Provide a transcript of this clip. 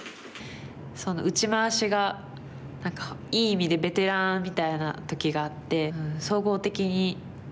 打ち回しが何かいい意味でベテランみたいな時があって。